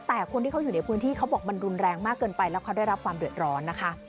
แต่คนที่เขาอยู่ในพื้นที่เขาบอกมันรุนแรงมากเกินไปแล้วเขาได้รับความเดือดร้อนนะคะ